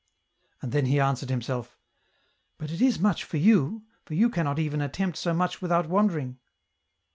" And then he answered himself, " But it is much for you, for you cannot even attempt so much without wandering."